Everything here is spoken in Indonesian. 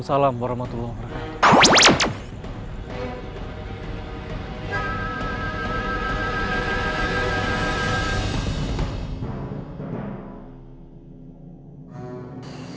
assalamualaikum warahmatullahi wabarakatuh